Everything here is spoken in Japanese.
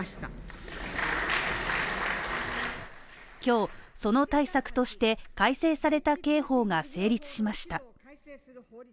今日、その対策として、改正された刑法が成立しました。